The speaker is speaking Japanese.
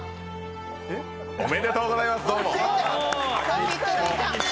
おめでとうございます！